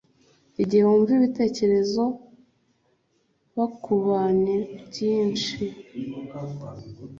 Igihe wumva ibitekerezo bukubanya byinshi